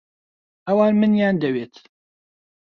ئەوان منیان دەوێت.